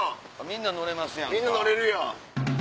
みんな乗れるやん。